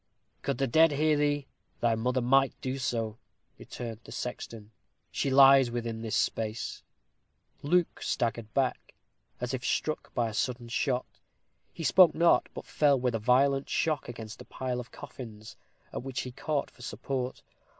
"Could the dead hear thee, thy mother might do so," returned the sexton. "She lies within this space." Luke staggered back, as if struck by a sudden shot. He spoke not, but fell with a violent shock against a pile of coffins, at which he caught for support.